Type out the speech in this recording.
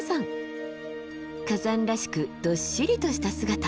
火山らしくどっしりとした姿！